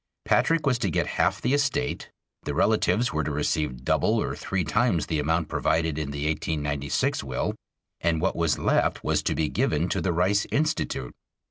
Patrick was to get half the estate, the relatives were to receive double or three times the amount provided in the 1896 will, and what was left was to be given to the Rice Institute.